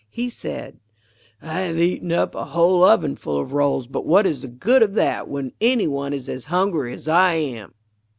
He said: 'I have eaten up a whole ovenful of rolls, but what is the good of that when any one is as hungry as I am.